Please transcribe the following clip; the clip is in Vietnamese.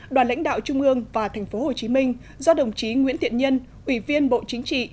đoàn lãnh đạo trung ương và tp hcm do đồng chí nguyễn thiện nhân ủy viên bộ chính trị